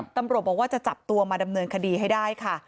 ตำรวจบอกว่าจะจับตัวมาดำเนินคดีให้ได้ค่ะ